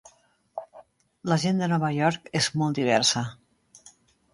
La gent de Nova York és molt diversa.